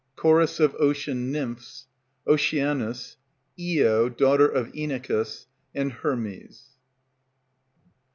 CHORUS OF OCEAN NYMPHS. OCEANUS. IO, Daughter of Inachus. HERMES.